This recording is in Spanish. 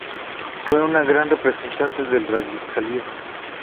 Fue un gran representante del radicalismo.